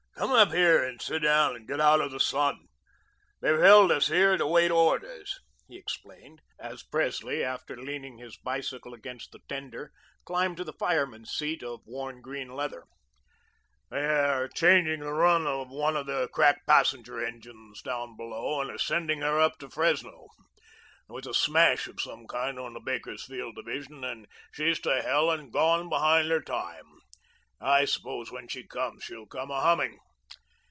"Come up here and sit down, and get out of the sun. They've held us here to wait orders," he explained, as Presley, after leaning his bicycle against the tender, climbed to the fireman's seat of worn green leather. "They are changing the run of one of the crack passenger engines down below, and are sending her up to Fresno. There was a smash of some kind on the Bakersfield division, and she's to hell and gone behind her time. I suppose when she comes, she'll come a humming.